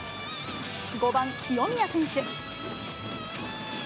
５番清宮選手。